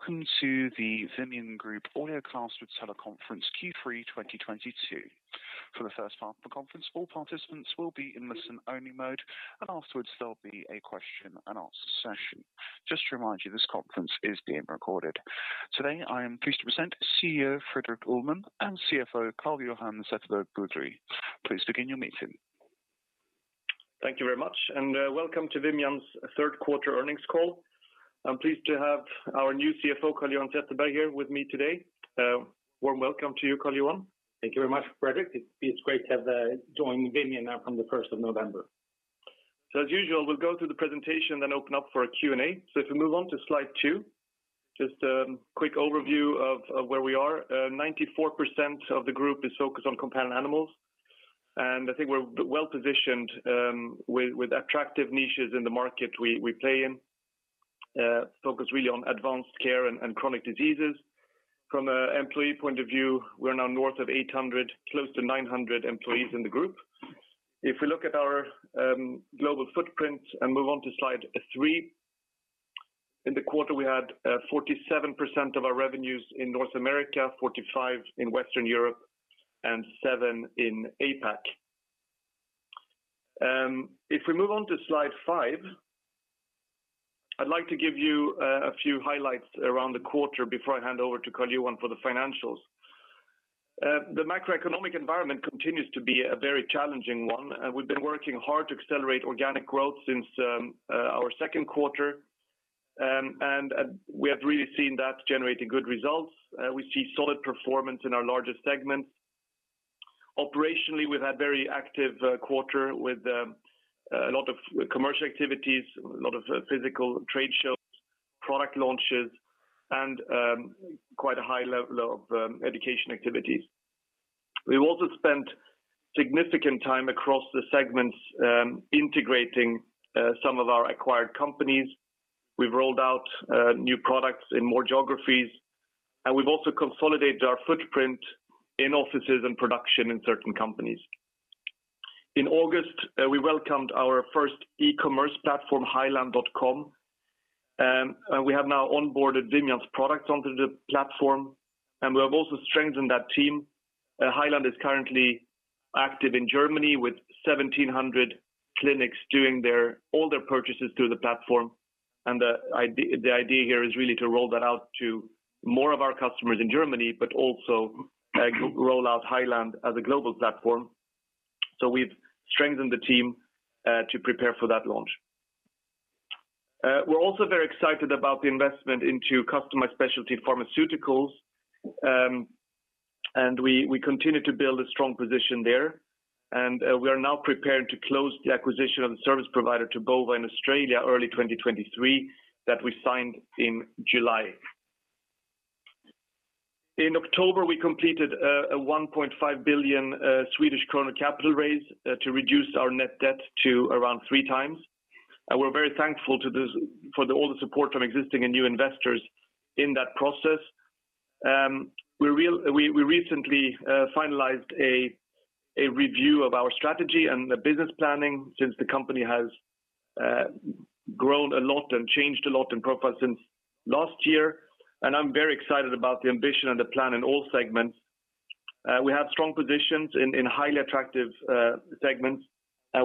Welcome to the Vimian Group Audiocast with Teleconference Q3 2022. For the first part of the conference, all participants will be in listen-only mode, and afterwards, there'll be a question-and-answer session. Just to remind you, this conference is being recorded. Today, I am pleased to present CEO Fredrik Ullman and CFO Carl-Johan Zetterberg Boudrie. Please begin your meeting. Thank you very much, and welcome to Vimian's Third Quarter Earnings Call. I'm pleased to have our new CFO, Carl-Johan Zetterberg Boudrie here with me today. Warm welcome to you, Carl-Johan. Thank you very much, Fredrik. It's great to have joined Vimian now from the first of November. As usual, we'll go through the presentation, then open up for a Q&A. If we move on to slide 2, just a quick overview of where we are. 94% of the group is focused on companion animals. I think we're well-positioned with attractive niches in the market we play in. Focused really on advanced care and chronic diseases. From an employee point of view, we're now north of 800, close to 900 employees in the group. If we look at our global footprint and move on to slide three. In the quarter, we had 47% of our revenues in North America, 45% in Western Europe and 7% in APAC. If we move on to slide 5, I'd like to give you a few highlights around the quarter before I hand over to Carl Johan for the financials. The macroeconomic environment continues to be a very challenging one. We've been working hard to accelerate organic growth since our second quarter. We have really seen that generating good results. We see solid performance in our largest segments. Operationally, we've had very active quarter with a lot of commercial activities, a lot of physical trade shows, product launches, and quite a high level of education activities. We've also spent significant time across the segments integrating some of our acquired companies. We've rolled out new products in more geographies, and we've also consolidated our footprint in offices and production in certain companies. In August, we welcomed our first e-commerce platform, heiland.com. We have now onboarded Vimian's products onto the platform, and we have also strengthened that team. Heiland is currently active in Germany with 1,700 clinics doing all their purchases through the platform. The idea here is really to roll that out to more of our customers in Germany, but also, roll out Heiland as a global platform. We've strengthened the team to prepare for that launch. We're also very excited about the investment into customized specialty pharmaceuticals. We continue to build a strong position there. We are now preparing to close the acquisition of the service provider to Bova in Australia early 2023 that we signed in July. In October, we completed a 1.5 billion Swedish kronor capital raise to reduce our net debt to around three times. We're very thankful for all the support from existing and new investors in that process. We recently finalized a review of our strategy and the business planning since the company has grown a lot and changed a lot in profile since last year. I'm very excited about the ambition and the plan in all segments. We have strong positions in highly attractive segments.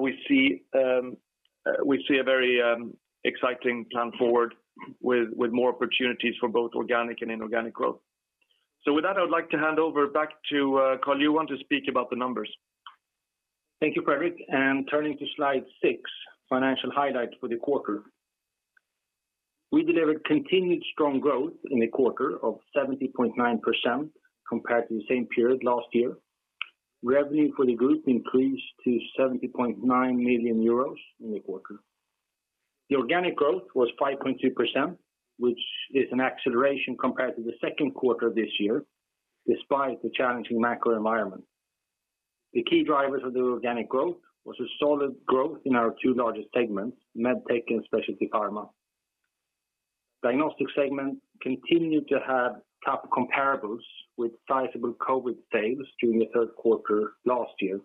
We see a very exciting plan forward with more opportunities for both organic and inorganic growth. With that, I would like to hand over back to Carl-Johan to speak about the numbers. Thank you, Fredrik. Turning to slide 6, financial highlights for the quarter. We delivered continued strong growth in the quarter of 70.9% compared to the same period last year. Revenue for the group increased to 70.9 million euros in the quarter. The organic growth was 5.2%, which is an acceleration compared to the second quarter of this year, despite the challenging macro environment. The key drivers of the organic growth was a solid growth in our two largest segments, MedTech and Specialty Pharma. Diagnostics segment continued to have top comparables with sizable COVID sales during the third quarter last year.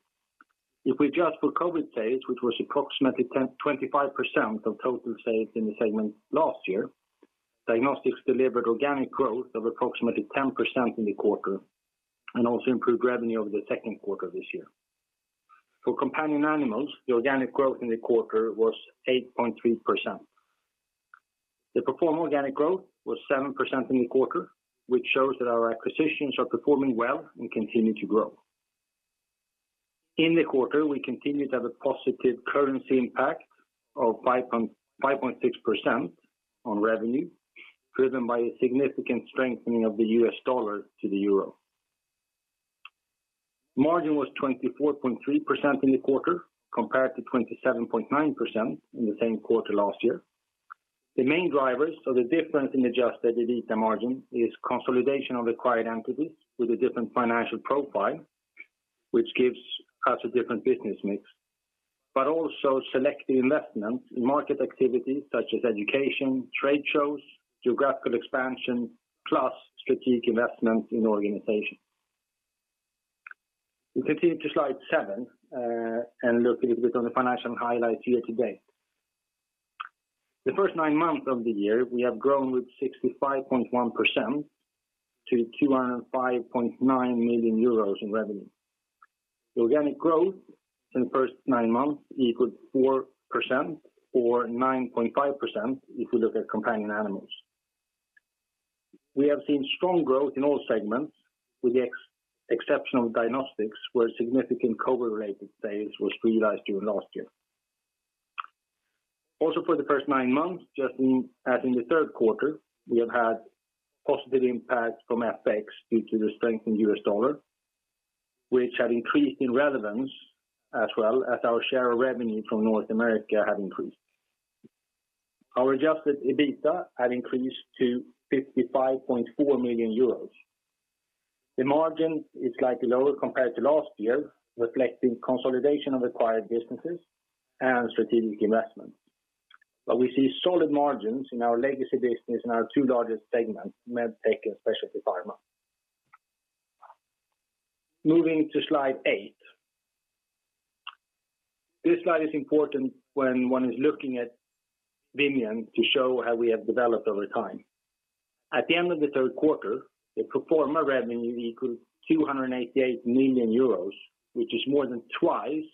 If we adjust for COVID sales, which was approximately 25% of total sales in the segment last year, Diagnostics delivered organic growth of approximately 10% in the quarter and also improved revenue over the second quarter of this year. For Companion Animals, the organic growth in the quarter was 8.3%. The performed organic growth was 7% in the quarter, which shows that our acquisitions are performing well and continue to grow. In the quarter, we continue to have a positive currency impact of 5.6% on revenue, driven by a significant strengthening of the US dollar to the euro. Margin was 24.3% in the quarter, compared to 27.9% in the same quarter last year. The main drivers of the difference in Adjusted EBITDA margin are consolidation of acquired entities with a different financial profile, which gives us a different business mix. Also, selective investment in market activities such as education, trade shows, geographical expansion, plus strategic investment in organization. We continue to slide 7 and look a little bit on the financial highlights year to date. The first nine months of the year, we have grown with 65.1% to 205.9 million euros in revenue. The organic growth in the first nine months equaled 4% or 9.5% if we look at companion animals. We have seen strong growth in all segments with the exception of Diagnostics where significant COVID-related sales were realized during last year. Also, for the first nine months, just as in the third quarter, we have had positive impacts from FX due to the strength in US dollar, which had increased in relevance as well as our share of revenue from North America had increased. Our Adjusted EBITDA had increased to 55.4 million euros. The margin is slightly lower compared to last year, reflecting consolidation of acquired businesses and strategic investment. We see solid margins in our legacy business in our two largest segments, MedTech and Specialty Pharma. Moving to slide eight. This slide is important when one is looking at Vimian to show how we have developed over time. At the end of the third quarter, the pro forma revenue equaled 288 million euros, which is more than twice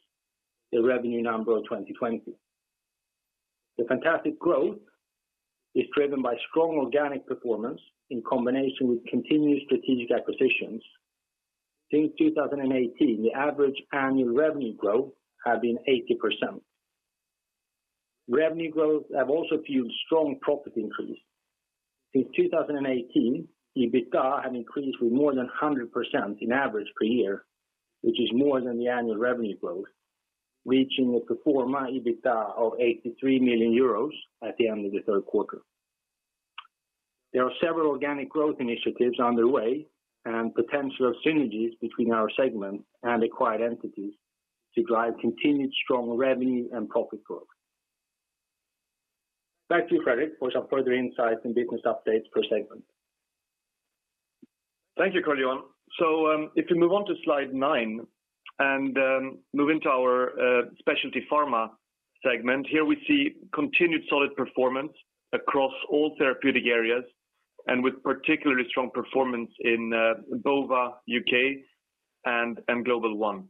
the revenue number of 2020. The fantastic growth is driven by strong organic performance in combination with continued strategic acquisitions. Since 2018, the average annual revenue growth have been 80%. Revenue growth have also fueled strong profit increase. Since 2018, EBITDA have increased with more than 100% in average per year, which is more than the annual revenue growth, reaching a pro forma EBITDA of 83 million euros at the end of the third quarter. There are several organic growth initiatives underway and potential synergies between our segments and acquired entities to drive continued strong revenue and profit growth. Back to you, Fredrik, for some further insights and business updates per segment. Thank you, Carl-Johan. If you move on to slide 9 and move into our Specialty Pharma segment, here we see continued solid performance across all therapeutic areas and with particularly strong performance in Bova, UK and GlobalOne.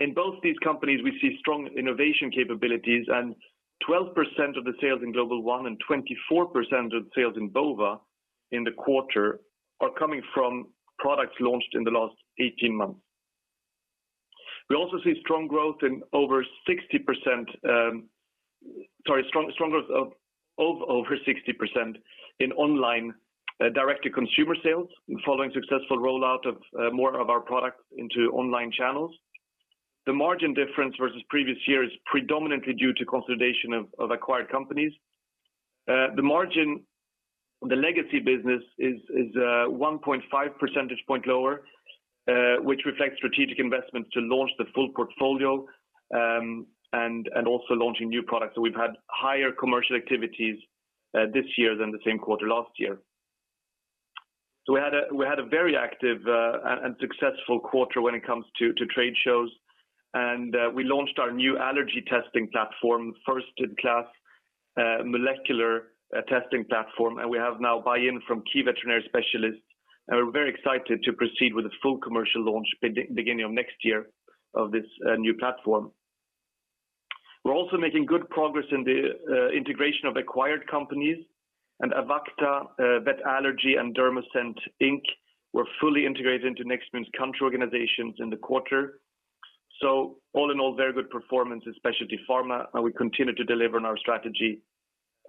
In both these companies, we see strong innovation capabilities and 12% of the sales in GlobalOne and 24% of sales in Bova in the quarter are coming from products launched in the last 18 months. We also see strong growth of over 60% in online direct to consumer sales following successful rollout of more of our products into online channels. The margin difference versus previous year is predominantly due to consolidation of acquired companies. The margin, the legacy business is 1.5 percentage points lower, which reflects strategic investments to launch the full portfolio, and also launching new products. We've had higher commercial activities this year than the same quarter last year. We had a very active and successful quarter when it comes to trade shows, and we launched our new allergy testing platform, first-in-class molecular testing platform. We have now buy-in from key veterinary specialists. We're very excited to proceed with a full commercial launch beginning of next year of this new platform. We're also making good progress in the integration of acquired companies and Avacta, Vet-Allergy and Dermoscent Inc. were fully integrated into Nextmune's country organizations in the quarter. All in all, very good performance in Specialty Pharma, and we continue to deliver on our strategy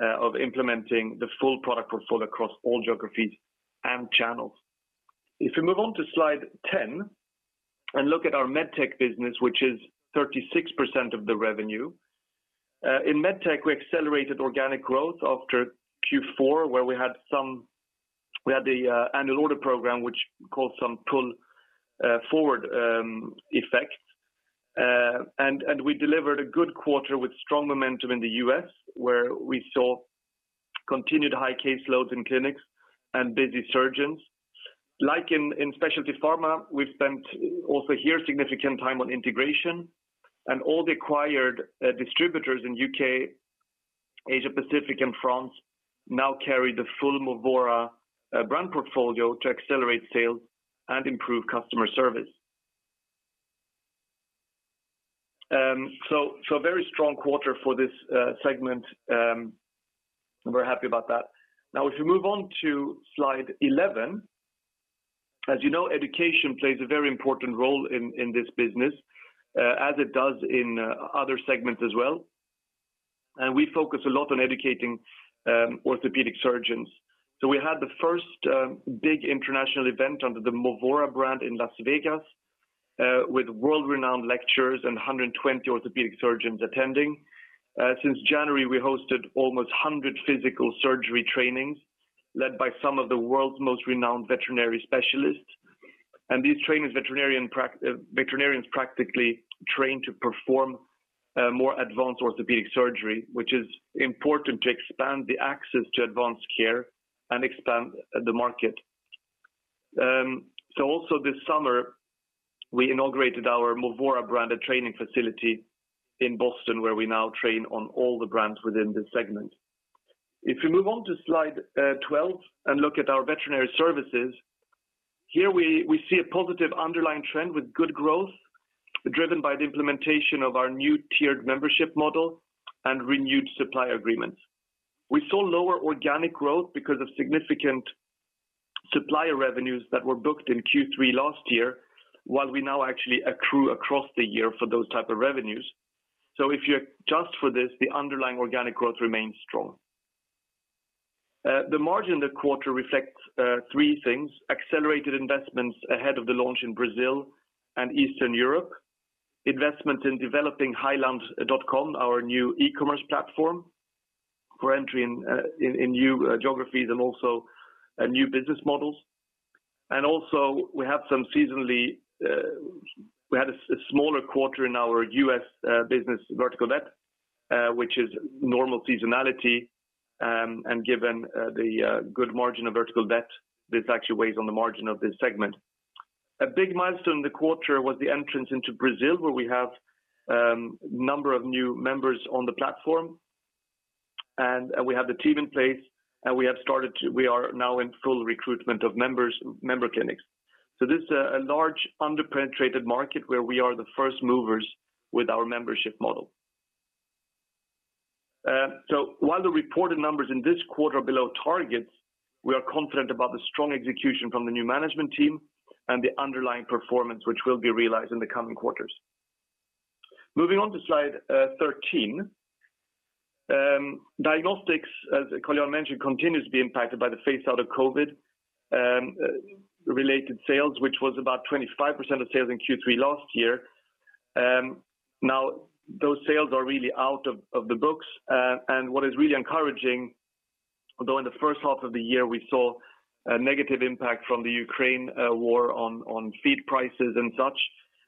of implementing the full product portfolio across all geographies and channels. If you move on to slide 10 and look at our MedTech business, which is 36% of the revenue. In MedTech, we accelerated organic growth after Q4, where we had the annual order program, which caused some pull forward effects. We delivered a good quarter with strong momentum in the U.S., where we saw continued high case loads in clinics and busy surgeons. Like in Specialty Pharma, we've spent also here significant time on integration and all the acquired distributors in U.K., Asia Pacific and France now carry the full Movora brand portfolio to accelerate sales and improve customer service. A very strong quarter for this segment. We're happy about that. Now, if you move on to slide 11, as you know, education plays a very important role in this business, as it does in other segments as well. We focus a lot on educating orthopedic surgeons. We had the first big international event under the Movora brand in Las Vegas with world-renowned lecturers and 120 orthopedic surgeons attending. Since January, we hosted almost 100 physical surgery trainings led by some of the world's most renowned veterinary specialists. These trainings veterinarians practically train to perform more advanced orthopedic surgery, which is important to expand the access to advanced care and expand the market. Also this summer, we inaugurated our Movora brand, a training facility in Boston, where we now train on all the brands within this segment. If you move on to slide 12 and look at our Veterinary Services. Here we see a positive underlying trend with good growth driven by the implementation of our new tiered membership model and renewed supply agreements. We saw lower organic growth because of significant supplier revenues that were booked in Q3 last year, while we now actually accrue across the year for those type of revenues. If you adjust for this, the underlying organic growth remains strong. The margin in the quarter reflects three things, accelerated investments ahead of the launch in Brazil and Eastern Europe, investment in developing heiland.com, our new e-commerce platform for entry in new geographies and also new business models. We had a smaller quarter in our US business, VerticalVet, which is normal seasonality. Given the good margin of Vertical Vet, this actually weighs on the margin of this segment. A big milestone in the quarter was the entrance into Brazil, where we have a number of new members on the platform, and we have the team in place. We are now in full recruitment of member clinics. This is a large underpenetrated market where we are the first movers with our membership model. While the reported numbers in this quarter are below targets, we are confident about the strong execution from the new management team and the underlying performance, which will be realized in the coming quarters. Moving on to slide 13. Diagnostics, as Carl-Johan mentioned, continues to be impacted by the phase out of COVID related sales, which was about 25% of sales in Q3 last year. Now those sales are really out of the books. What is really encouraging, although in the first half of the year, we saw a negative impact from the Ukraine war on feed prices and such,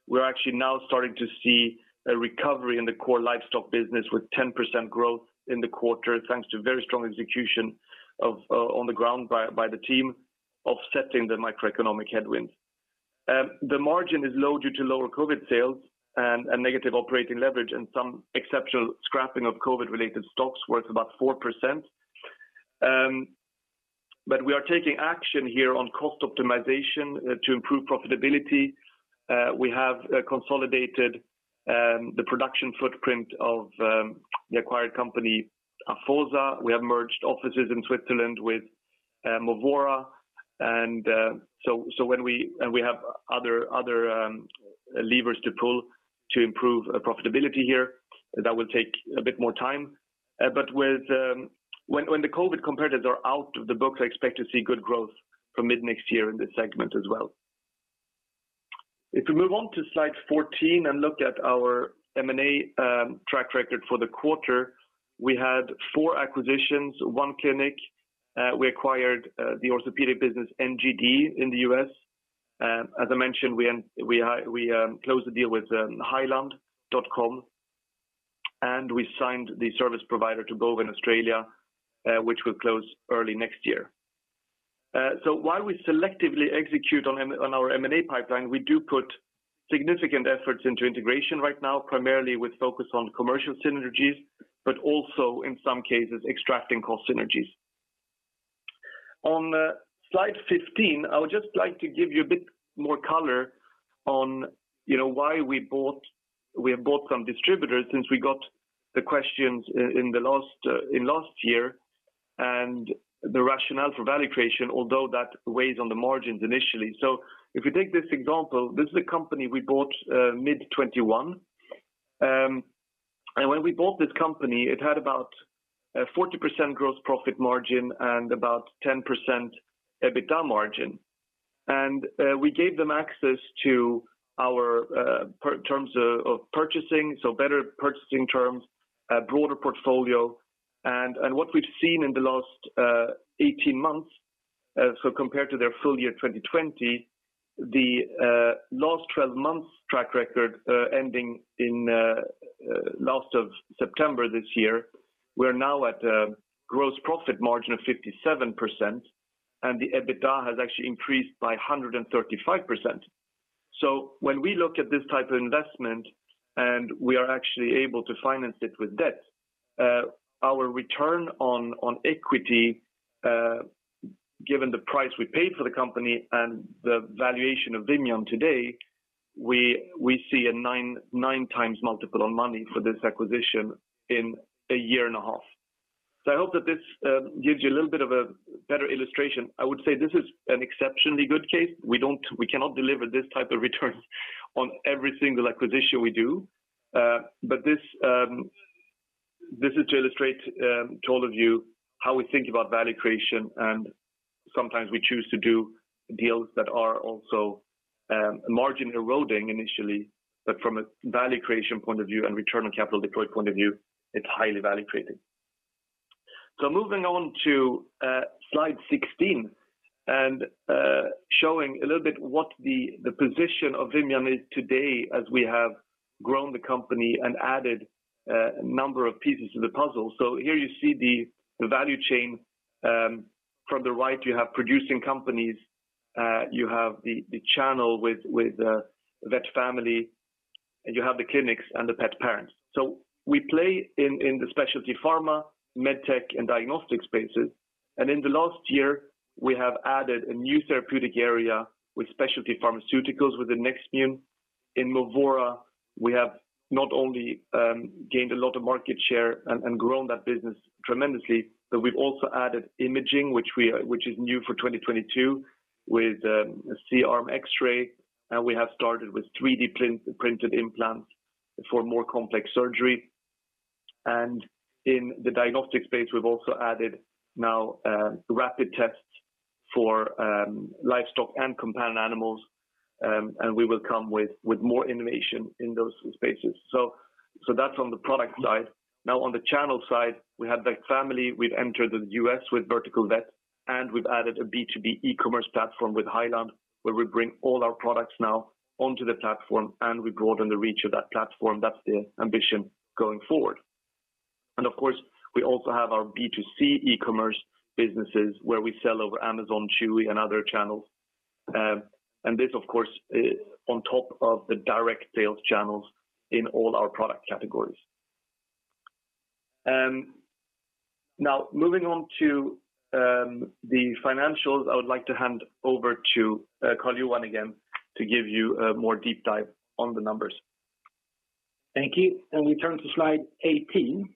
we're actually now starting to see a recovery in the core livestock business with 10% growth in the quarter, thanks to very strong execution on the ground by the team offsetting the macroeconomic headwinds. The margin is low due to lower COVID sales and a negative operating leverage and some exceptional scrapping of COVID related stocks worth about 4%. We are taking action here on cost optimization to improve profitability. We have consolidated the production footprint of the acquired company, Afosa. We have merged offices in Switzerland with Movora. We have other levers to pull to improve profitability here. That will take a bit more time. When the COVID competitors are out of the books, I expect to see good growth from mid-next year in this segment as well. If you move on to slide 14 and look at our M&A track record for the quarter, we had 4 acquisitions, 1 clinic. We acquired the orthopedic business, NGD, in the U.S. As I mentioned, we closed the deal with heiland.com, and we signed the service provider to Bova in Australia, which will close early next year. While we selectively execute on our M&A pipeline, we do put significant efforts into integration right now, primarily with focus on commercial synergies, but also in some cases, extracting cost synergies. On slide 15, I would just like to give you a bit more color on, you know, why we bought. We have bought some distributors since we got the questions in the last year and the rationale for value creation, although that weighs on the margins initially. If you take this example, this is a company we bought mid 2021. When we bought this company, it had about a 40% gross profit margin and about 10% EBITDA margin. We gave them access to our better terms of purchasing, so better purchasing terms, a broader portfolio. What we've seen in the last 18 months, compared to their full year 2020, the last 12 months track record ending in last of September this year, we're now at a gross profit margin of 57%, and the EBITDA has actually increased by 135%. When we look at this type of investment and we are actually able to finance it with debt, our return on equity, given the price we paid for the company and the valuation of Vimian today, we see a 9x multiple on money for this acquisition in a year and a half. I hope that this gives you a little bit of a better illustration. I would say this is an exceptionally good case. We cannot deliver this type of return on every single acquisition we do. But this is to illustrate to all of you how we think about value creation. Sometimes we choose to do deals that are also margin eroding initially. From a value creation point of view and return on capital deployed point of view, it's highly value creating. Moving on to slide 16 and showing a little bit what the position of Vimian is today as we have grown the company and added a number of pieces to the puzzle. Here you see the value chain from the right you have producing companies, you have the channel with VetFamily, and you have the clinics and the pet parents. We play in the Specialty Pharma, MedTech, and Diagnostics spaces. In the last year, we have added a new therapeutic area with specialty pharmaceuticals with the Nextmune. In Movora, we have not only gained a lot of market share and grown that business tremendously, but we've also added imaging, which is new for 2022 with a C-arm X-ray. We have started with 3D printed implants for more complex surgery. In the diagnostic space, we've also added rapid tests for livestock and companion animals. We will come with more innovation in those spaces. That's on the product side. Now, on the channel side, we have the VetFamily. We've entered the US with VerticalVet, and we've added a B2B e-commerce platform with Heiland, where we bring all our products now onto the platform, and we broaden the reach of that platform. That's the ambition going forward. Of course, we also have our B2C e-commerce businesses where we sell over Amazon, Chewy, and other channels. This, of course, is on top of the direct sales channels in all our product categories. Now moving on to the financials, I would like to hand over to Carl-Johan again to give you a deeper dive on the numbers. Thank you. We turn to slide 18.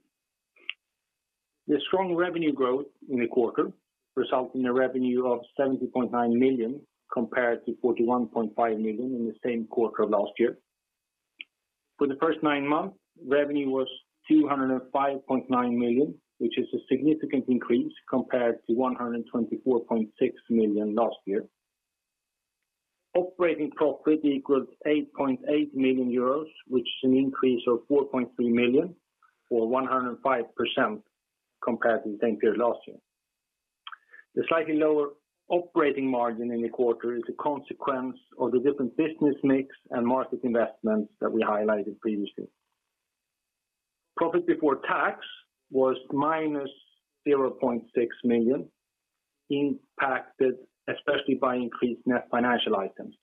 The strong revenue growth in the quarter result in a revenue of 70.9 million compared to 41.5 million in the same quarter last year. For the first nine months, revenue was 205.9 million, which is a significant increase compared to 124.6 million last year. Operating profit equals 8.8 million euros, which is an increase of 4.3 million or 105% compared to the same period last year. The slightly lower operating margin in the quarter is a consequence of the different business mix and market investments that we highlighted previously. Profit before tax was -0.6 million, impacted especially by increased net financial items.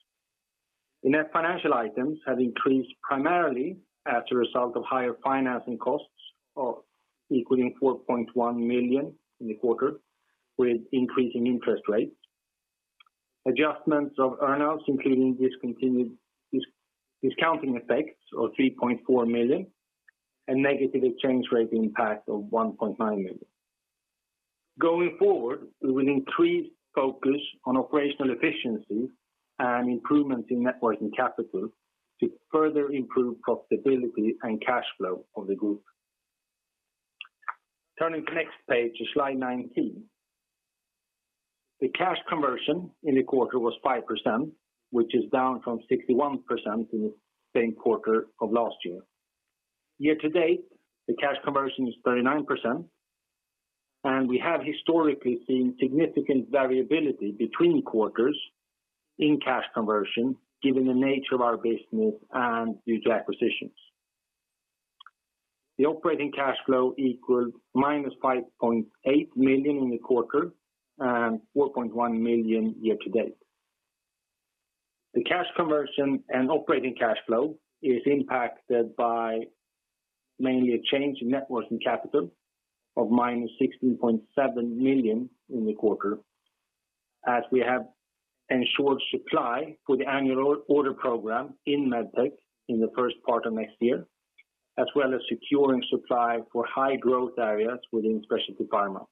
The net financial items have increased primarily as a result of higher financing costs equaling 4.1 million in the quarter with increasing interest rates. Adjustments of earnings, including discounting effects of 3.4 million and negative exchange rate impact of 1.9 million. Going forward, we will increase focus on operational efficiency and improvements in net working capital to further improve profitability and cash flow of the group. Turning to the next page to slide 19. The cash conversion in the quarter was 5%, which is down from 61% in the same quarter of last year. Year to date, the cash conversion is 39%, and we have historically seen significant variability between quarters in cash conversion given the nature of our business and due to acquisitions. The operating cash flow equals -5.8 million in the quarter and 4.1 million year to date. The cash conversion and operating cash flow is impacted by mainly a change in net working capital of -16.7 million in the quarter as we have ensured supply for the annual re-order program in MedTech in the first part of next year, as well as securing supply for high growth areas within Specialty Pharma.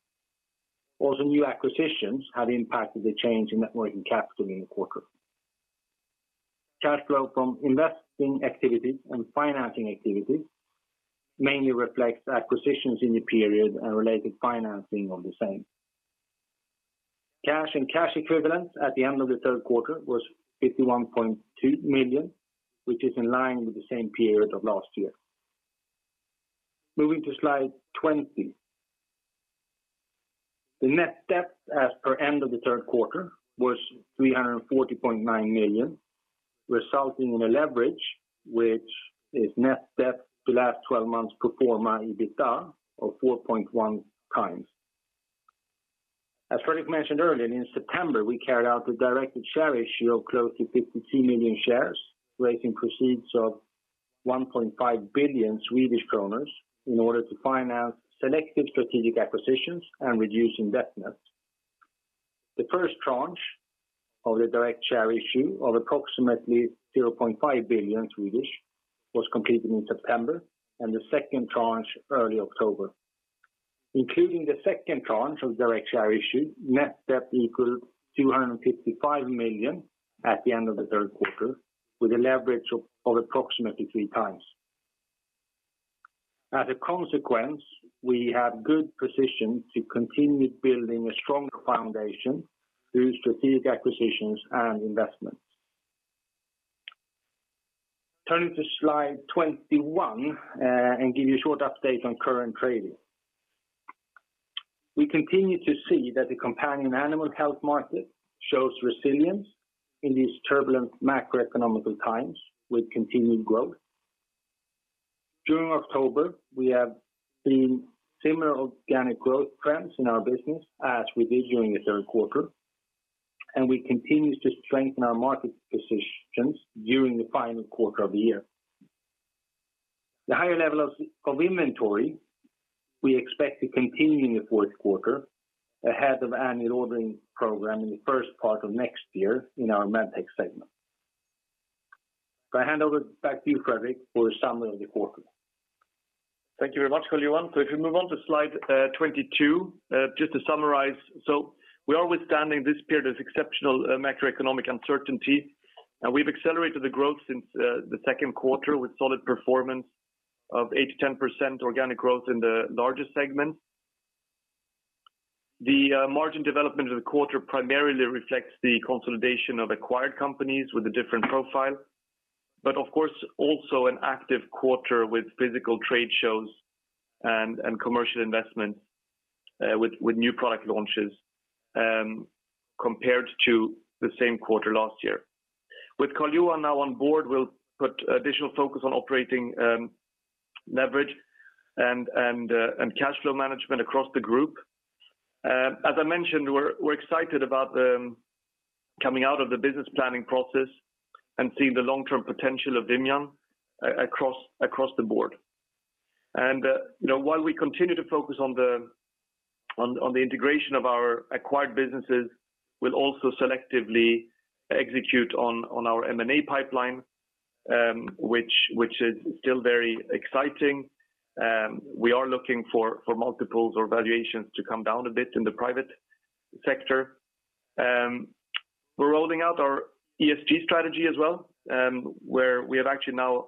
Also, new acquisitions have impacted the change in net working capital in the quarter. Cash flow from investing activities and financing activities mainly reflects acquisitions in the period and related financing of the same. Cash and cash equivalents at the end of the third quarter was 51.2 million, which is in line with the same period of last year. Moving to slide 20. The net debt as per end of the third quarter was 340.9 million, resulting in a leverage which is net debt to last twelve months pro forma EBITDA of 4.1x. As Fredrik mentioned earlier, in September, we carried out a directed share issue of close to 52 million shares, raising proceeds of 1.5 billion Swedish kronor in order to finance selective strategic acquisitions and reducing debt net. The first tranche of the direct share issue of approximately 0.5 billion was completed in September and the second tranche early October. Including the second tranche of direct share issue, net debt equals 255 million at the end of the third quarter, with a leverage of approximately 3x. As a consequence, we have good position to continue building a stronger foundation through strategic acquisitions and investments. Turning to slide 21, and give you a short update on current trading. We continue to see that the companion animal health market shows resilience in these turbulent macroeconomic times with continued growth. During October, we have seen similar organic growth trends in our business as we did during the third quarter, and we continue to strengthen our market positions during the final quarter of the year. The higher level of inventory we expect to continue in the fourth quarter ahead of annual ordering program in the first part of next year in our MedTech segment. I hand over back to you, Fredrik, for a summary of the quarter. Thank you very much, Carl-Johan Zetterberg Boudrie. If we move on to slide 22, just to summarize. We are withstanding this period of exceptional macroeconomic uncertainty, and we've accelerated the growth since the second quarter with solid performance of 8%-10% organic growth in the largest segment. The margin development of the quarter primarily reflects the consolidation of acquired companies with a different profile, but of course, also an active quarter with physical trade shows and commercial investments with new product launches, compared to the same quarter last year. With Carl-Johan Zetterberg Boudrie now on board, we'll put additional focus on operating leverage and cash flow management across the group. As I mentioned, we're excited about coming out of the business planning process and seeing the long-term potential of Vimian across the board. You know, while we continue to focus on the integration of our acquired businesses, we'll also selectively execute on our M&A pipeline, which is still very exciting. We are looking for multiples or valuations to come down a bit in the private sector. We're rolling out our ESG strategy as well, where we have actually now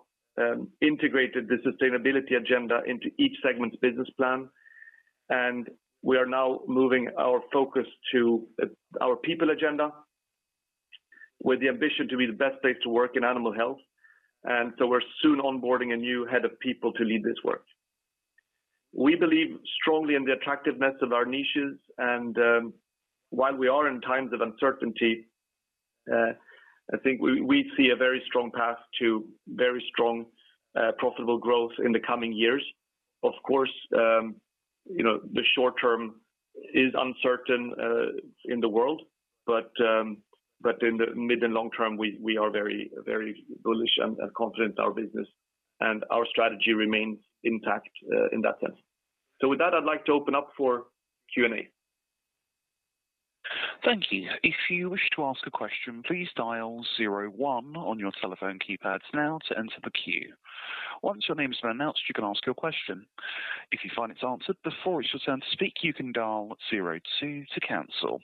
integrated the sustainability agenda into each segment's business plan. We are now moving our focus to our people agenda with the ambition to be the best place to work in animal health. We're soon onboarding a new head of people to lead this work. We believe strongly in the attractiveness of our niches and while we are in times of uncertainty, I think we see a very strong path to very strong profitable growth in the coming years. Of course, you know, the short term is uncertain in the world, but in the mid and long term, we are very bullish and confident in our business, and our strategy remains intact in that sense. With that, I'd like to open up for Q&A. Thank you. If you wish to ask a question, please dial zero one on your telephone keypads now to enter the queue. Once your name has been announced, you can ask your question. If you find it's answered before it's your turn to speak, you can dial zero two to cancel.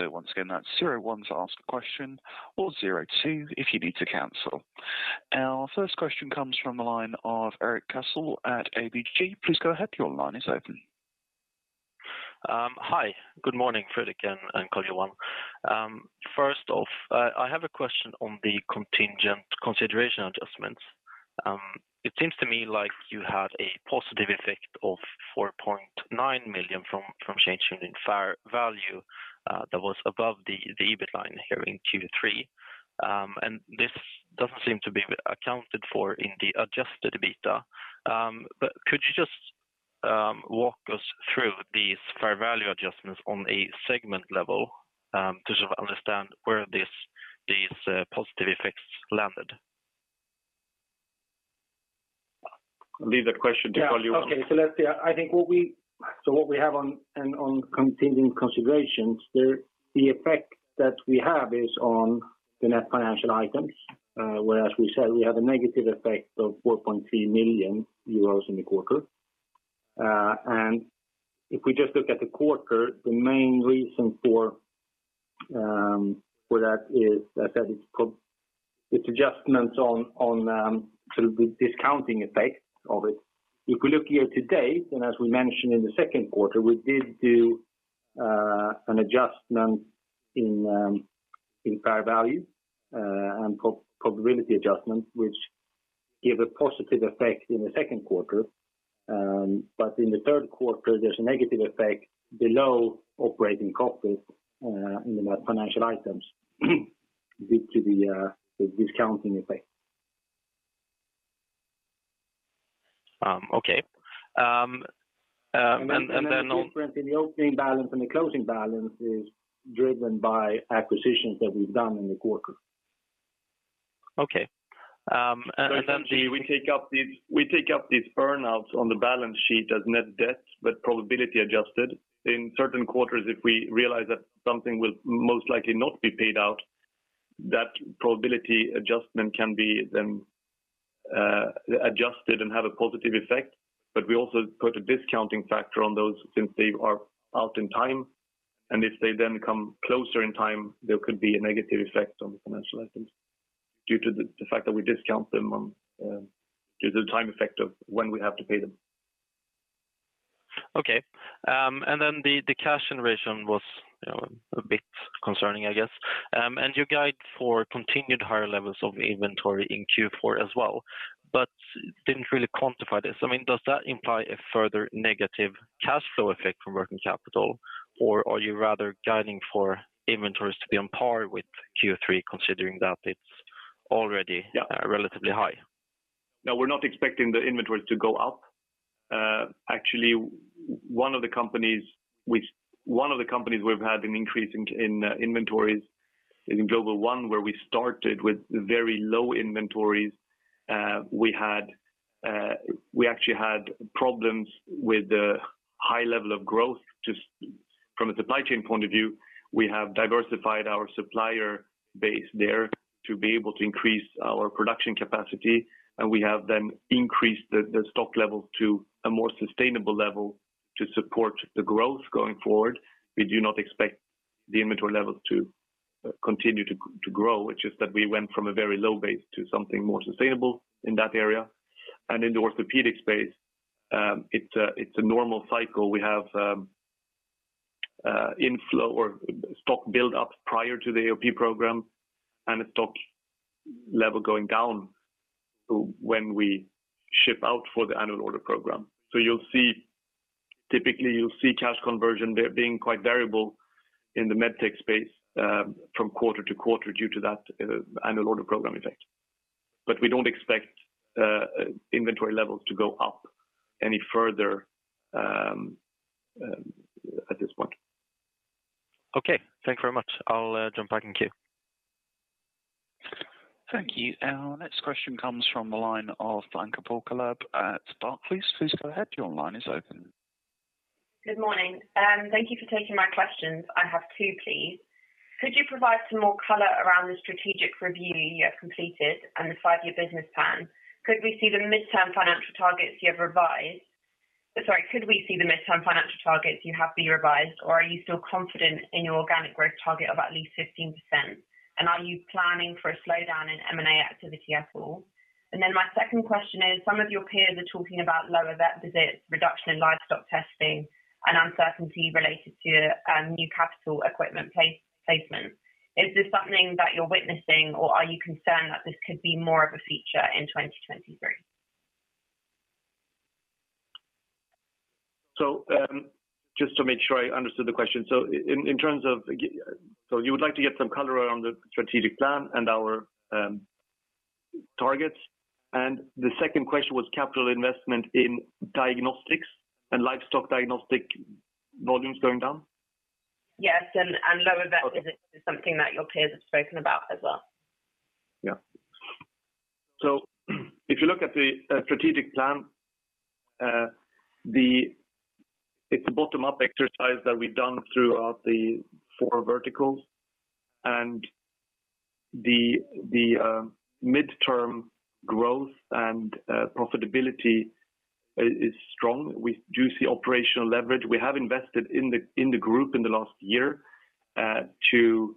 Once again, that's zero one to ask a question or zero two if you need to cancel. Our first question comes from the line of Erik Cassel at ABG. Please go ahead. Your line is open. Hi. Good morning, Fredrik and Carl-Johan. First off, I have a question on the contingent consideration adjustments. It seems to me like you had a positive effect of 4.9 million from change in fair value, that was above the EBIT line here in Q3. This doesn't seem to be accounted for in the Adjusted EBITDA. Could you just walk us through these fair value adjustments on a segment level, to sort of understand where these positive effects landed? Leave that question to Carl-Johan Zetterberg Boudrie. I think what we have on contingent considerations, the effect that we have is on the net financial items, where, as we said, we have a negative effect of 4.3 million euros in the quarter. If we just look at the quarter, the main reason for that is that it's adjustments on sort of the discounting effect of it. If we look year to date, as we mentioned in the second quarter, we did an adjustment in fair value and probability adjustment, which gave a positive effect in the second quarter. In the third quarter, there's a negative effect below operating costs in the net financial items due to the discounting effect. Okay. The difference in the opening balance and the closing balance is driven by acquisitions that we've done in the quarter. Okay. Essentially, we take up these earnouts on the balance sheet as net debt, but probability adjusted. In certain quarters, if we realize that something will most likely not be paid out, that probability adjustment can be adjusted and have a positive effect. We also put a discounting factor on those since they are out in time. If they then come closer in time, there could be a negative effect on the financial items due to the fact that we discount them due to the time effect of when we have to pay them. Okay. The cash generation was, you know, a bit concerning, I guess. You guide for continued higher levels of inventory in Q4 as well, but didn't really quantify this. I mean, does that imply a further negative cash flow effect from working capital? Or are you rather guiding for inventories to be on par with Q3 considering that it's already. Yeah Relatively high? No, we're not expecting the inventory to go up. Actually, one of the companies we've had an increase in inventories is in GlobalOne, where we started with very low inventories. We actually had problems with the high level of growth just from a supply chain point of view. We have diversified our supplier base there to be able to increase our production capacity, and we have then increased the stock levels to a more sustainable level to support the growth going forward. We do not expect the inventory levels to continue to grow. It's just that we went from a very low base to something more sustainable in that area. In the orthopedic space, it's a normal cycle. We have inflow or stock build-up prior to the AOP program and a stock level going down when we ship out for the annual order program. Typically, you'll see cash conversion there being quite variable in the MedTech space from quarter to quarter due to that annual order program effect. We don't expect inventory levels to go up any further at this point. Okay. Thank you very much. I'll jump back in queue. Thank you. Our next question comes from the line of Anka Palcherlu at Barclays. Please go ahead. Your line is open. Good morning. Thank you for taking my questions. I have two, please. Could you provide some more color around the strategic review you have completed and the five-year business plan? Could we see the midterm financial targets you have revised, or are you still confident in your organic growth target of at least 15%? Are you planning for a slowdown in M&A activity at all? My second question is, some of your peers are talking about lower vet visits, reduction in livestock testing, and uncertainty related to new capital equipment placement. Is this something that you're witnessing, or are you concerned that this could be more of a feature in 2023? Just to make sure I understood the question. In terms of, you would like to get some color around the strategic plan and our targets. The second question was capital investment in diagnostics and livestock diagnostic volumes going down? Yes. Lower vet visits is something that your peers have spoken about as well. Yeah. If you look at the strategic plan. It's a bottom-up exercise that we've done throughout the four verticals and the midterm growth and profitability is strong. We do see operational leverage. We have invested in the group in the last year to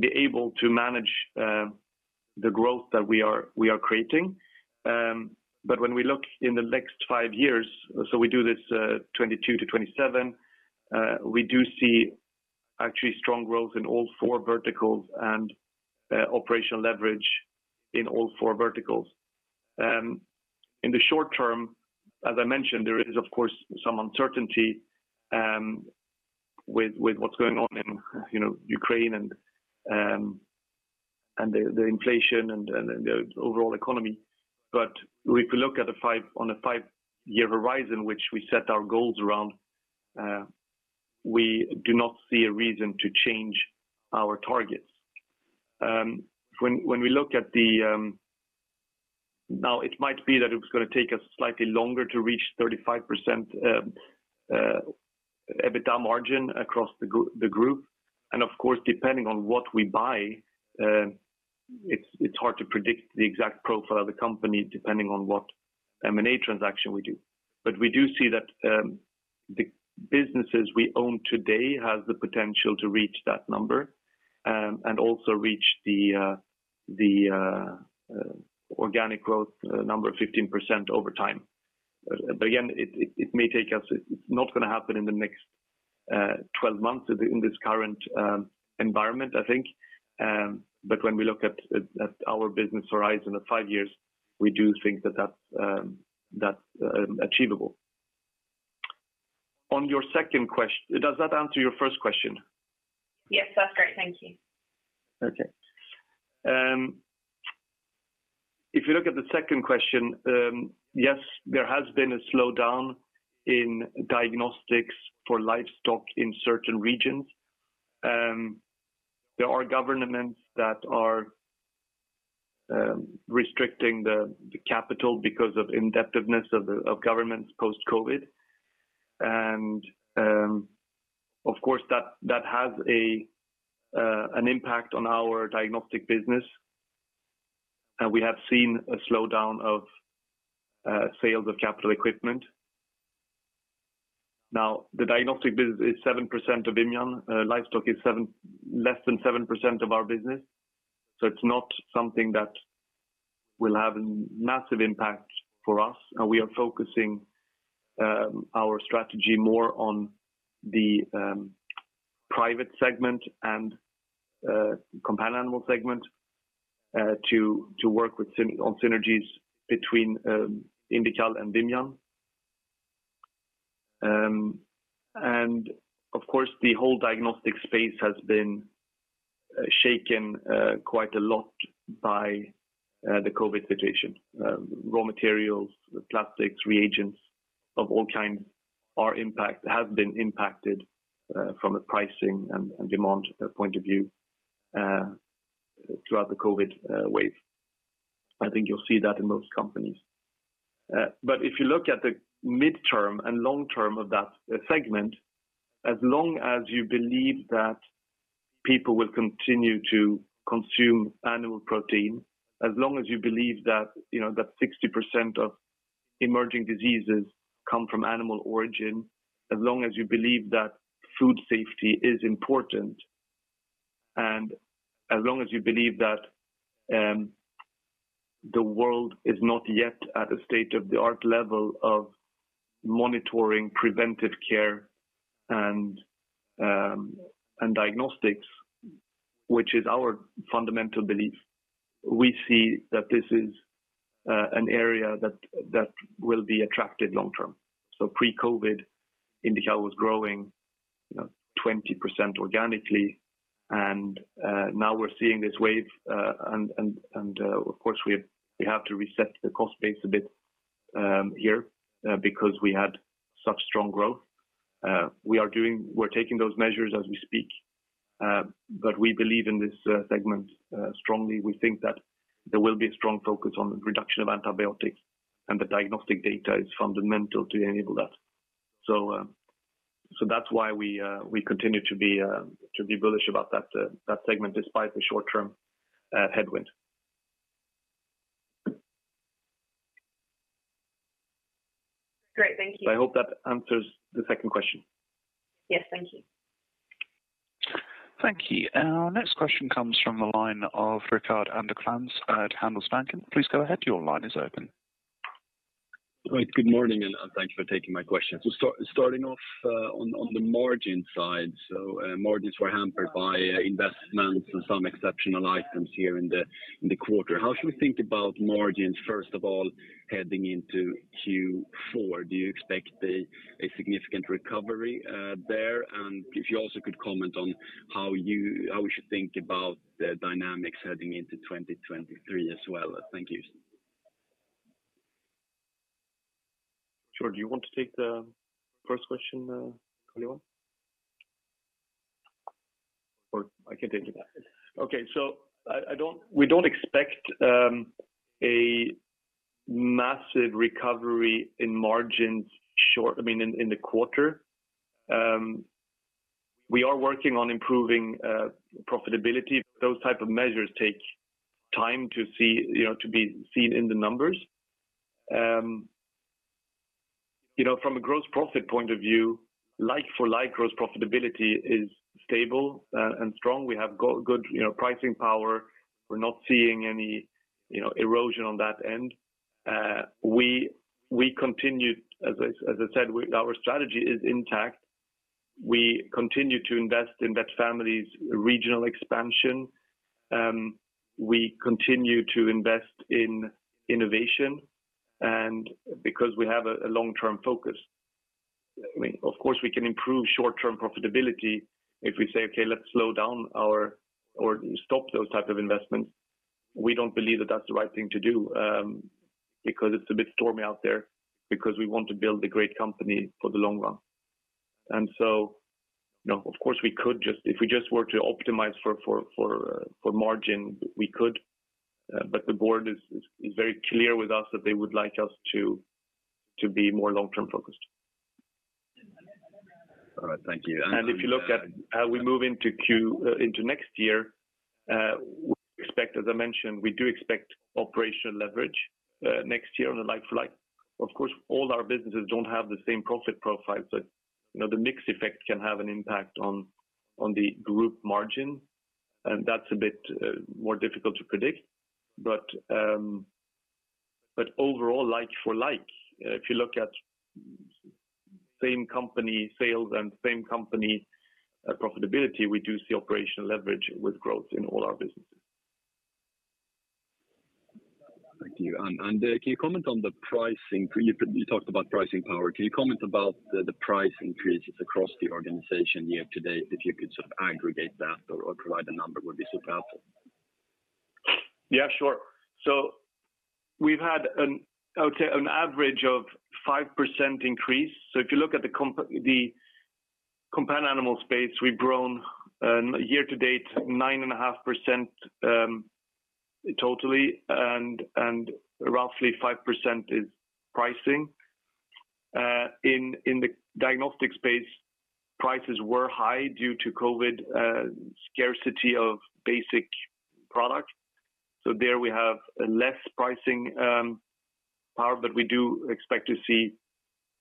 be able to manage the growth that we are creating. When we look in the next five years, we do this 2022-2027, we do see actually strong growth in all four verticals and operational leverage in all four verticals. In the short term, as I mentioned, there is, of course, some uncertainty with what's going on in, you know, Ukraine and the inflation and the overall economy. If we look at a 5-year horizon, which we set our goals around, we do not see a reason to change our targets. When we look at the now, it might be that it was gonna take us slightly longer to reach 35% EBITDA margin across the group. Of course, depending on what we buy, it's hard to predict the exact profile of the company, depending on what M&A transaction we do. We do see that the businesses we own today has the potential to reach that number, and also reach the organic growth number of 15% over time. It may take us. It's not gonna happen in the next 12 months in this current environment, I think. When we look at our business horizon of five years, we do think that that's achievable. Does that answer your first question? Yes, that's great. Thank you. Okay. If you look at the second question, yes, there has been a slowdown in diagnostics for livestock in certain regions. There are governments that are restricting the capital because of indebtedness of governments post-COVID. Of course, that has an impact on our diagnostic business. We have seen a slowdown of sales of capital equipment. Now, the diagnostic business is 7% of Vimian. Livestock is less than 7% of our business. It's not something that will have a massive impact for us, and we are focusing our strategy more on the private segment and companion animal segment to work on synergies between Indical and Vimian. Of course, the whole diagnostic space has been shaken quite a lot by the COVID situation. Raw materials, the plastics, reagents of all kinds have been impacted from a pricing and demand point of view throughout the COVID wave. I think you'll see that in most companies. If you look at the mid-term and long-term of that segment, as long as you believe that people will continue to consume animal protein, as long as you believe that, you know, that 60% of emerging diseases come from animal origin, as long as you believe that food safety is important, and as long as you believe that the world is not yet at a state-of-the-art level of monitoring preventive care and diagnostics, which is our fundamental belief, we see that this is an area that will be attractive long-term. Pre-COVID, Indical was growing, you know, 20% organically, and now we're seeing this wave, and of course we have to reset the cost base a bit, here, because we had such strong growth. We are doing. We're taking those measures as we speak, but we believe in this segment strongly. We think that there will be a strong focus on the reduction of antibiotics, and the diagnostic data is fundamental to enable that. That's why we continue to be bullish about that segment despite the short-term headwind. Great. Thank you. I hope that answers the second question. Yes. Thank you. Thank you. Our next question comes from the line of Rickard Anderkrans at Handelsbanken. Please go ahead. Your line is open. Right, good morning, and thank you for taking my question. Starting off on the margin side, margins were hampered by investments and some exceptional items here in the quarter. How should we think about margins, first of all, heading into Q4? Do you expect a significant recovery there? If you also could comment on how we should think about the dynamics heading into 2023 as well. Thank you. Sure. Do you want to take the first question, Carl-Johan Zetterberg Boudrie? Or I can take it. Okay. We don't expect a massive recovery in margins, I mean, in the quarter. We are working on improving profitability. Those type of measures take time to see, you know, to be seen in the numbers. You know, from a gross profit point of view, like-for-like gross profitability is stable and strong. We have good, you know, pricing power. We're not seeing any, you know, erosion on that end. We continue, as I said, our strategy is intact. We continue to invest in VetFamily's regional expansion. We continue to invest in innovation, and because we have a long-term focus. I mean, of course, we can improve short-term profitability if we say, "Okay, let's slow down or stop those type of investments." We don't believe that that's the right thing to do, because it's a bit stormy out there, because we want to build a great company for the long run. You know, of course, if we just were to optimize for margin, we could, but the board is very clear with us that they would like us to be more long-term focused. All right. Thank you. If you look at how we move into next year, we expect, as I mentioned, we do expect operational leverage next year on a like-for-like. Of course, all our businesses don't have the same profit profile, but, you know, the mix effect can have an impact on the group margin, and that's a bit more difficult to predict. But overall, like for like, if you look at same company sales and same company profitability, we do see operational leverage with growth in all our businesses. Thank you. Can you comment on the pricing? You talked about pricing power. Can you comment about the price increases across the organization year to date? If you could sort of aggregate that or provide a number would be super helpful. Yeah, sure. We've had, I would say, an average of 5% increase. If you look at the companion animal space, we've grown year to date 9.5% totally, and roughly 5% is pricing. In the diagnostic space, prices were high due to COVID scarcity of basic products. There we have a less pricing part that we do expect to see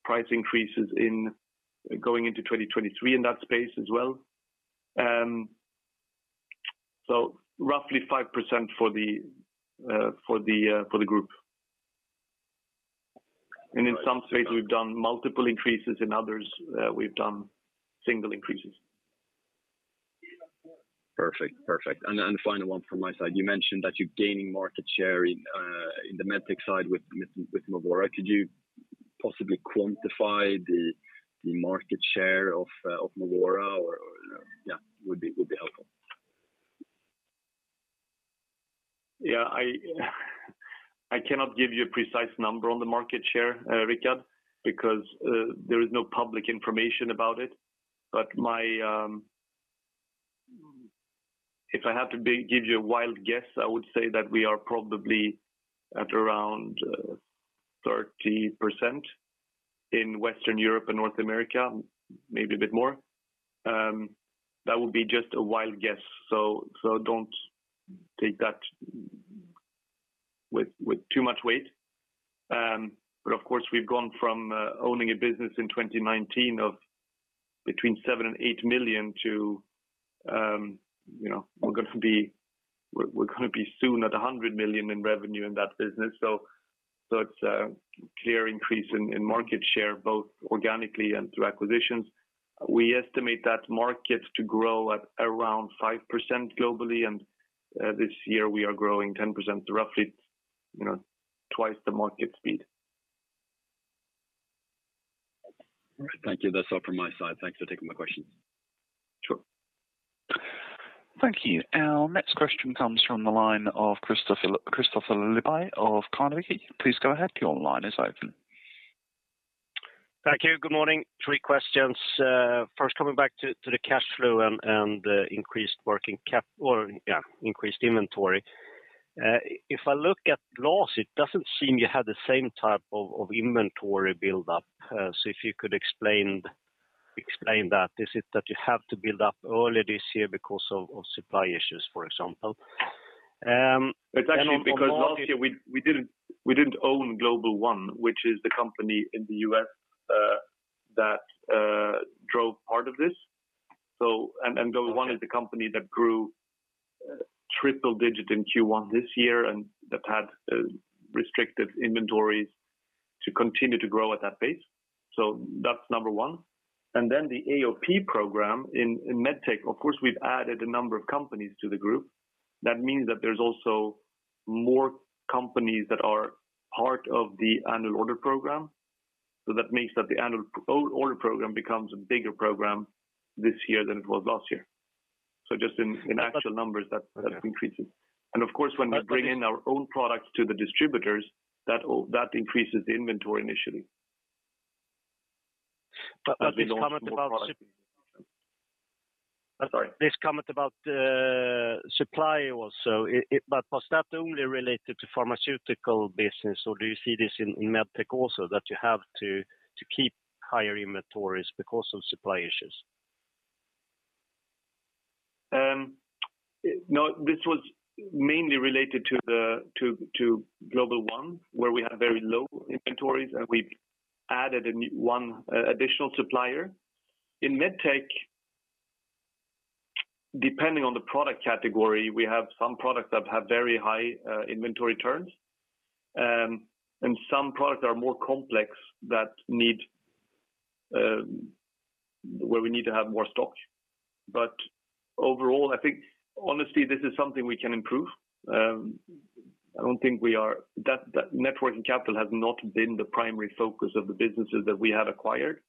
price increases in going into 2023 in that space as well. Roughly 5% for the group. In some space, we've done multiple increases, in others, we've done single increases. Perfect. Perfect. final one from my side, you mentioned that you're gaining market share in in the MedTech side with Movora. Could you possibly quantify the market share of Movora? Or would be helpful. Yeah. I cannot give you a precise number on the market share, Rickard, because there is no public information about it. If I had to give you a wild guess, I would say that we are probably at around 30% in Western Europe and North America, maybe a bit more. That would be just a wild guess, so don't take that with too much weight. Of course, we've gone from owning a business in 2019 of between 7-8 million to, you know, we're gonna be soon at 100 million in revenue in that business. So it's a clear increase in market share, both organically and through acquisitions. We estimate that market to grow at around 5% globally, and this year we are growing 10%, roughly, you know, twice the market speed. All right. Thank you. That's all from my side. Thanks for taking my questions. Sure. Thank you. Our next question comes from the line of Kristofer of Carnegie. Please go ahead, your line is open. Thank you. Good morning. Three questions. First, coming back to the cash flow and increased working capital or increased inventory. So if I look at last, it doesn't seem you have the same type of inventory buildup. So if you could explain that. Is it that you have to build up early this year because of supply issues, for example? And then on margin- It's actually because last year we didn't own GlobalOne, which is the company in the US, that drove part of this. GlobalOne is the company that grew triple digit in Q1 this year and that had restricted inventories to continue to grow at that pace. That's number one. The AOP program in MedTech, of course, we've added a number of companies to the group. That means that there's also more companies that are part of the annual order program. That means that the annual order program becomes a bigger program this year than it was last year. Just in actual numbers, that increases. Of course, when we bring in our own products to the distributors, that increases the inventory initially. But this comment about sup- As we launch more products. Sorry. This comment about supply also. Was that only related to pharmaceutical business, or do you see this in MedTech also that you have to keep higher inventories because of supply issues? No, this was mainly related to the to GlobalOne, where we had very low inventories, and we've added an additional supplier. In MedTech, depending on the product category, we have some products that have very high inventory turns. And some products are more complex that need where we need to have more stock. Overall, I think honestly, this is something we can improve. I don't think we are. That working capital has not been the primary focus of the businesses that we have acquired.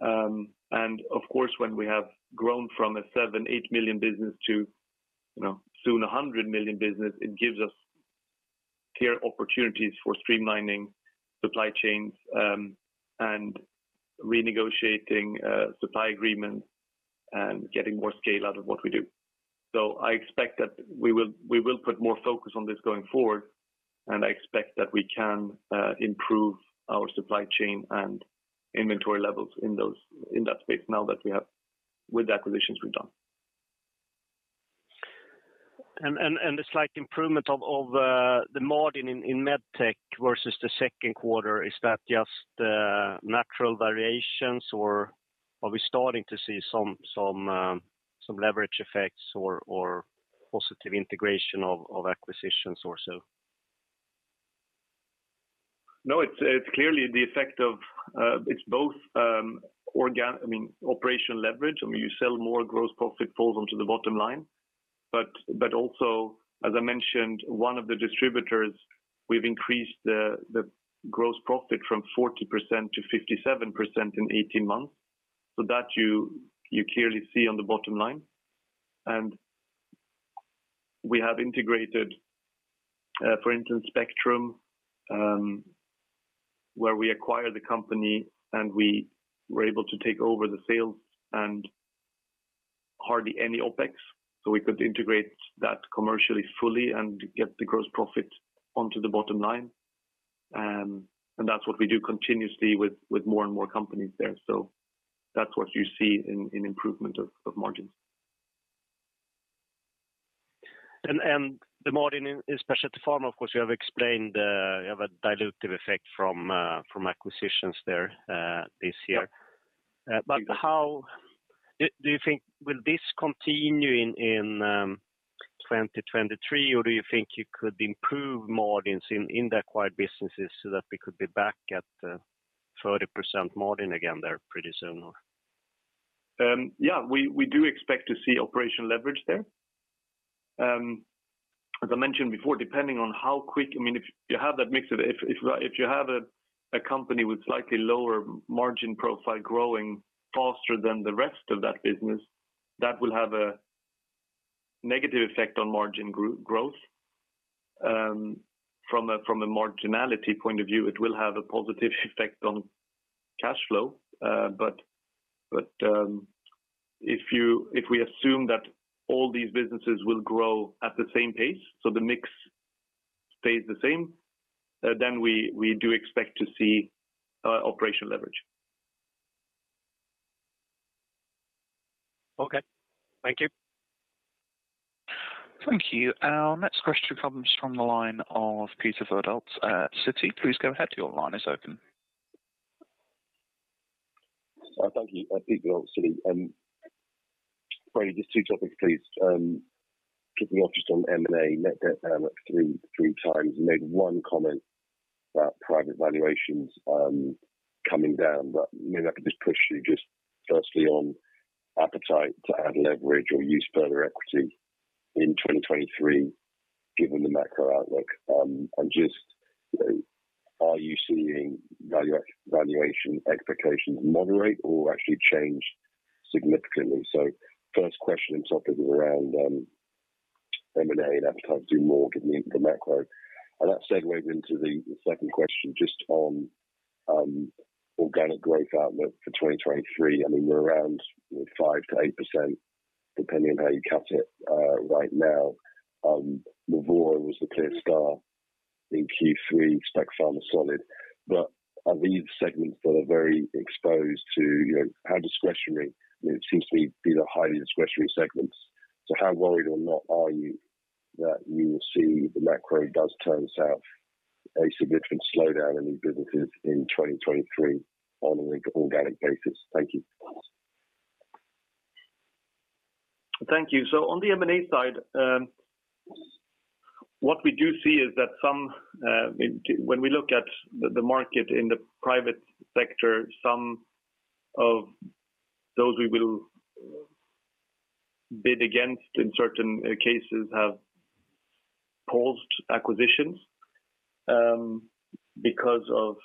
And of course, when we have grown from a 7-8 million business to, you know, soon a 100 million business, it gives us clear opportunities for streamlining supply chains and renegotiating supply agreements and getting more scale out of what we do. I expect that we will put more focus on this going forward, and I expect that we can improve our supply chain and inventory levels in that space now that we have with the acquisitions we've done. The slight improvement of the margin in MedTech versus the second quarter, is that just natural variations, or are we starting to see some leverage effects or positive integration of acquisitions or so? No, it's clearly the effect of, it's both, I mean, operational leverage. I mean, you sell more gross profit falls onto the bottom line. Also, as I mentioned, one of the distributors, we've increased the gross profit from 40% to 57% in 18 months. You clearly see on the bottom line. We have integrated, for instance, Spectrum, where we acquired the company, and we were able to take over the sales and hardly any OpEx, so we could integrate that commercially fully and get the gross profit onto the bottom line. That's what we do continuously with more and more companies there. That's what you see in improvement of margins. The margin in Specialty Pharma, of course, you have a dilutive effect from acquisitions there this year. Do you think will this continue in 2023 or do you think you could improve margins in the acquired businesses so that we could be back at 30% margin again there pretty soon? Yeah, we do expect to see operational leverage there. As I mentioned before, I mean, if you have a company with slightly lower margin profile growing faster than the rest of that business, that will have a negative effect on margin growth. From a marginality point of view, it will have a positive effect on cash flow. If we assume that all these businesses will grow at the same pace, so the mix stays the same, then we do expect to see operational leverage. Okay. Thank you. Thank you. Our next question comes from the line of Peter Verdult at Citi. Please go ahead. Your line is open. Thank you. Peter at Citi. Freddy just two topics, please. Kicking off just on M&A. Net debt down at three times. You made one comment about private valuations coming down, but maybe I could just push you just firstly on appetite to add leverage or use further equity in 2023, given the macro outlook. And just, you know, are you seeing valuation expectations moderate or actually change significantly? First question and topic is around M&A and appetite to do more given the macro. That segues into the second question just on organic growth outlook for 2023. I mean, we're around 5%-8% depending on how you cut it right now. Movora was the clear star in Q3, Specialty Pharma solid. But are these segments that are very exposed to, you know, how discretionary? I mean, it seems to be the highly discretionary segments. How worried or not are you that you will see the macro does turn south, a significant slowdown in these businesses in 2023 on an organic basis? Thank you. Thank you. On the M&A side, what we do see is that some, when we look at the market in the private sector, some of those we will bid against in certain cases have paused acquisitions, because of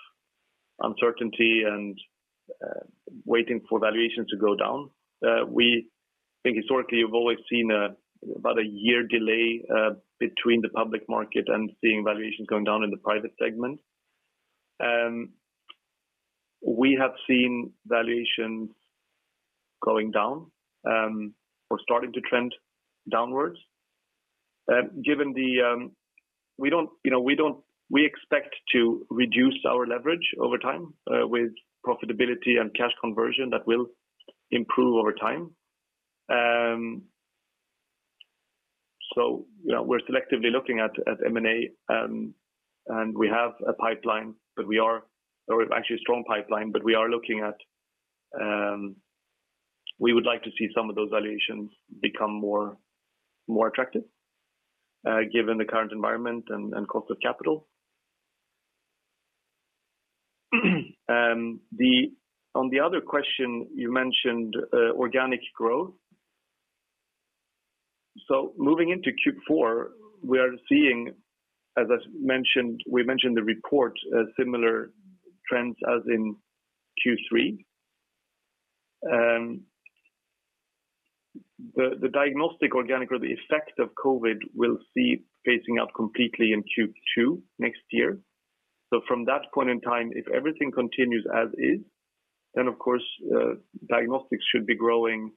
uncertainty and waiting for valuations to go down. We think historically you've always seen about a year delay between the public market and seeing valuations going down in the private segment. We have seen valuations going down, or starting to trend downwards. We expect to reduce our leverage over time, with profitability and cash conversion that will improve over time. You know, we're selectively looking at M&A, and we have a pipeline, but we are. Actually a strong pipeline, but we are looking at, we would like to see some of those valuations become more attractive, given the current environment and cost of capital. On the other question, you mentioned organic growth. Moving into Q4, we are seeing, as I mentioned, we mentioned the report, similar trends as in Q3. The diagnostic organic or the effect of COVID we'll see phasing out completely in Q2 next year. From that point in time, if everything continues as is, then of course, diagnostics should be growing,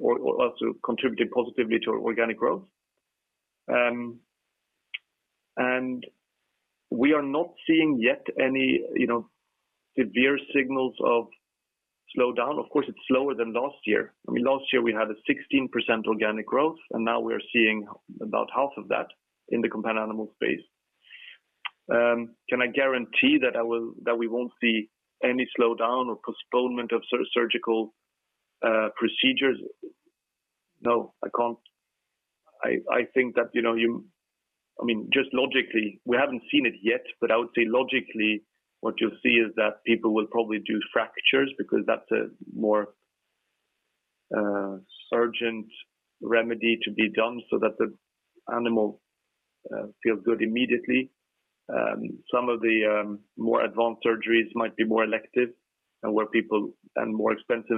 or also contributing positively to organic growth. And we are not seeing yet any, you know, severe signals of slowdown. Of course, it's slower than last year. I mean, last year we had a 16% organic growth, and now we are seeing about half of that in the companion animal space. Can I guarantee that we won't see any slowdown or postponement of surgical procedures? No, I can't. I think that, you know, I mean, just logically, we haven't seen it yet, but I would say logically what you'll see is that people will probably do fractures because that's a more urgent remedy to be done so that the animal feels good immediately. Some of the more advanced surgeries might be more elective and more expensive,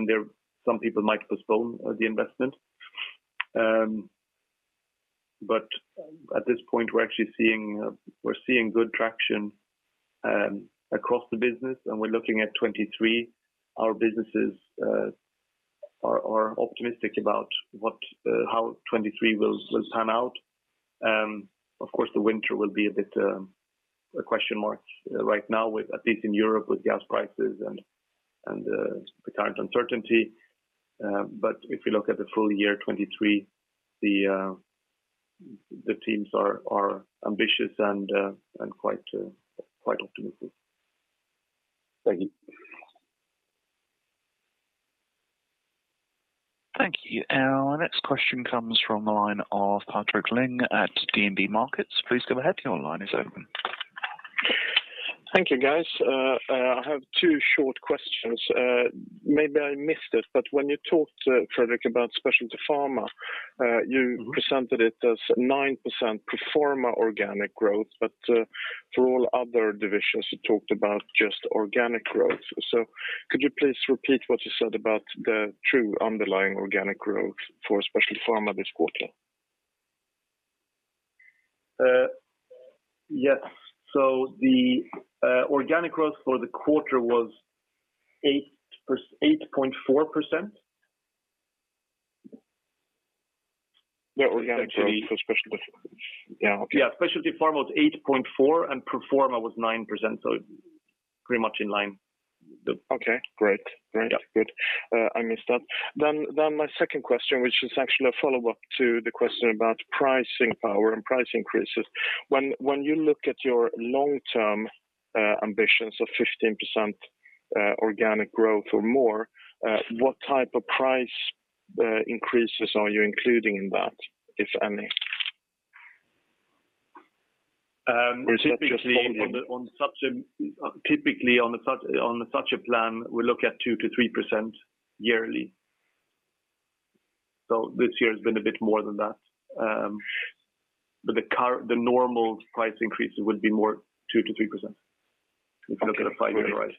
some people might postpone the investment. At this point, we're actually seeing good traction across the business, and we're looking at 2023. Our businesses are optimistic about how 2023 will pan out. Of course, the winter will be a bit of a question mark right now, at least in Europe, with gas prices and the current uncertainty. If you look at the full year 2023, the teams are ambitious and quite optimistic. Thank you. Thank you. Our next question comes from the line of Patrik Ling at DNB Markets. Please go ahead, your line is open. Thank you, guys. I have two short questions. Maybe I missed it, but when you talked, Fredrik, about Specialty Pharma, you presented it as 9% pro forma organic growth, but for all other divisions, you talked about just organic growth. Could you please repeat what you said about the true underlying organic growth for Specialty Pharma this quarter? The organic growth for the quarter was 8.4%. Yeah, organic growth for specialty. Yeah. Okay. Yeah. Specialty Pharma was 8.4%, and pro forma was 9%, so pretty much in line. Okay. Great. Great. Yeah. Good. I missed that. My second question, which is actually a follow-up to the question about pricing power and price increases. When you look at your long-term ambitions of 15% organic growth or more, what type of price increases are you including in that, if any? Typically Is that just volume? Typically, on such a plan, we look at 2%-3% yearly. This year has been a bit more than that. The normal price increases would be more 2%-3% if you look at a five-year rise.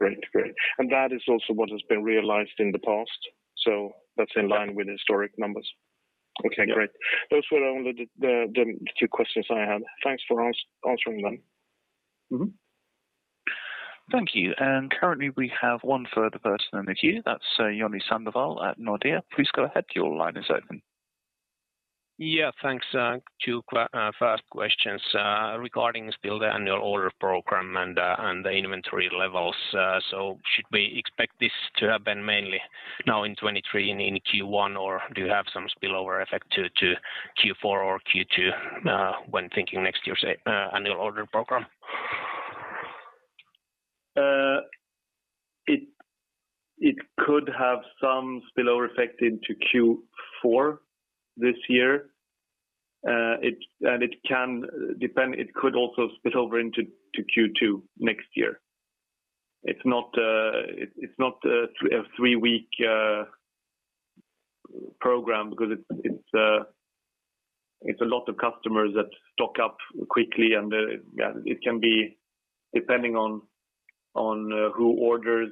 Okay. Great. That is also what has been realized in the past, so that's in line with historic numbers? Yeah. Okay, great. Those were only the few questions I had. Thanks for answering them. Mm-hmm. Thank you. Currently, we have one further person in the queue. That's Joni Sandvall at Nordea. Please go ahead. Your line is open. Yeah, thanks. Two quick questions regarding still the annual order program and the inventory levels. Should we expect this to happen mainly now in 2023 and in Q1, or do you have some spillover effect to Q4 or Q2 when thinking next year's annual order program? It could have some spillover effect into Q4 this year. It can depend. It could also spill over into Q2 next year. It's not a three-week program because it's a lot of customers that stock up quickly, yeah, it can be depending on who orders.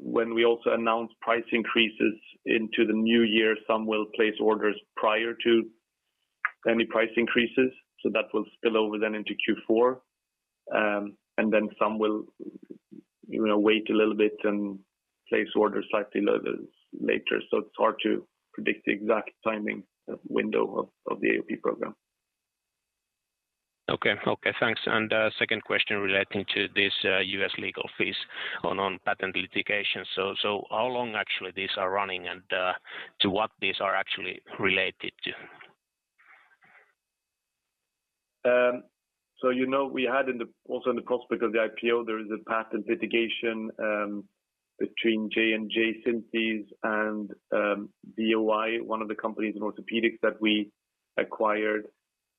When we also announce price increases into the new year, some will place orders prior to any price increases, that will spill over then into Q4. Then some will, you know, wait a little bit and place orders slightly later. It's hard to predict the exact timing window of the AOP program. Okay, thanks. Second question relating to this, U.S. legal fees on patent litigation. How long actually these are running and, to what these are actually related to? You know, also in the prospectus of the IPO, there is a patent litigation between DePuy Synthes and VOI, one of the companies in orthopedics that we acquired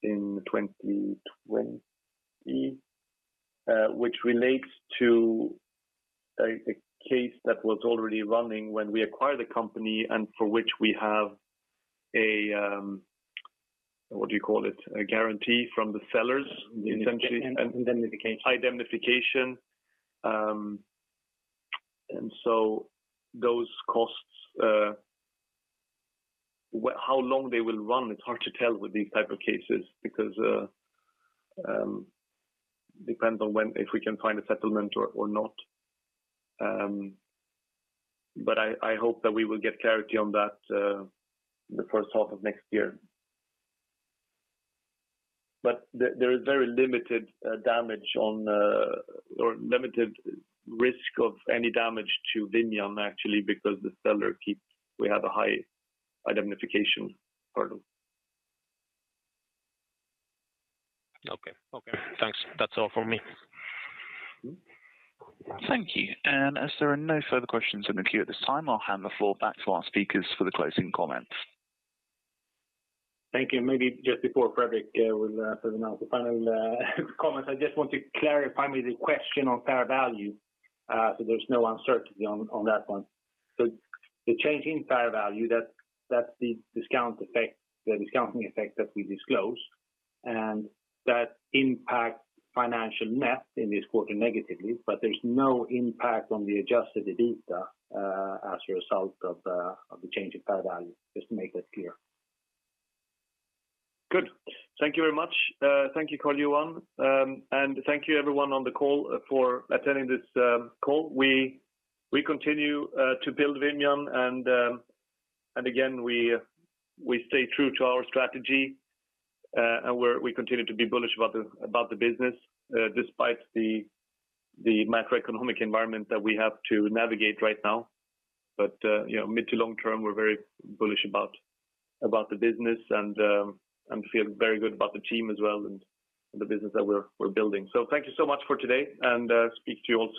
in 2020, which relates to a case that was already running when we acquired the company and for which we have a what do you call it? A guarantee from the sellers essentially. Indemnification. Indemnification. Those costs, how long they will run, it's hard to tell with these type of cases because it depends on when if we can find a settlement or not. I hope that we will get clarity on that in the first half of next year. There is very limited damage on or limited risk of any damage to Vimian actually, because the seller keeps. We have a high indemnification for them. Okay. Okay, thanks. That's all from me. Thank you. As there are no further questions in the queue at this time, I'll hand the floor back to our speakers for the closing comments. Thank you. Maybe just before Fredrik will announce the final comments, I just want to clarify maybe the question on fair value, so there's no uncertainty on that one. The change in fair value, that's the discount effect, the discounting effect that we disclosed, and that impact financial net in this quarter negatively. There's no impact on the Adjusted EBITDA as a result of the change in fair value, just to make that clear. Good. Thank you very much. Thank you, Carl-Johan. And thank you everyone on the call for attending this call. We continue to build Vimian and again, we stay true to our strategy, and we continue to be bullish about the business despite the macroeconomic environment that we have to navigate right now. You know, mid to long term, we are very bullish about the business and feel very good about the team as well and the business that we are building. Thank you so much for today and speak to you all soon.